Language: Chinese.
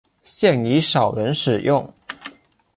现已少人使用。